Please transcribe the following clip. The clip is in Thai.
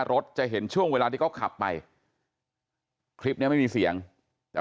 รถจะเห็นช่วงเวลาที่เขาขับไปคลิปเนี้ยไม่มีเสียงแต่